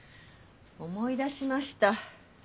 思い出しました。